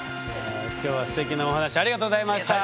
今日はステキなお話ありがとうございました。